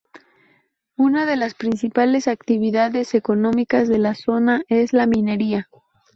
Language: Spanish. Una de las principales actividades económicas de la zona es la minería.